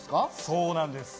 そうなんです。